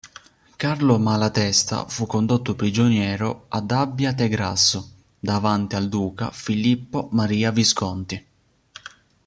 Carlo Malatesta fu condotto prigioniero ad Abbiategrasso davanti al duca Filippo Maria Visconti.